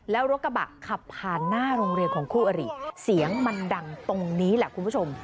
แล้วรถกระบะขับผ่านหน้าโรงเรียนของคู่อริเสียงมันดังตรงนี้แหละคุณผู้ชม